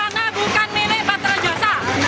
tanah bukan milik patra jasa